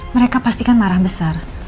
mereka pasti kan marah besar